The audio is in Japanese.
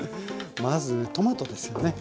まずトマトですよね。